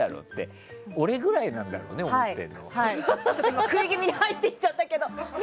今、食い気味にはいって言っちゃったけど。